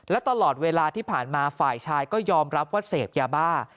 และตลอดเวลาที่ผ่านมาฝ่ายชายก็ยอมรับว่าเสพยาบ้า